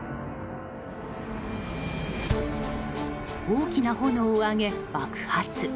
大きな炎を上げ、爆発。